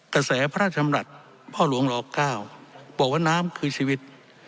กระแสพระราชมรัฐพ่อหลวงรขาวบอกว่าน้ำคือชีวิต